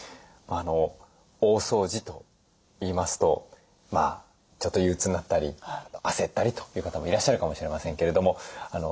大掃除といいますとちょっと憂うつになったり焦ったりという方もいらっしゃるかもしれませんけれども掃除でですね